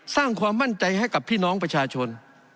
สร้างความมั่นใจให้กับพี่น้องประชาชน